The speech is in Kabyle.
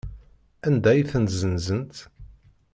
Anda ay ten-ssenzent?